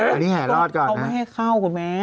อันนี้แห่รอดก่อนเขาไม่ให้เข้าคุณแม่